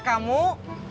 bukan pak sopian